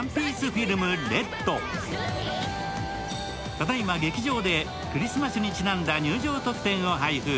ただいま劇場で、クリスマスにちなんだ入場特典を配布。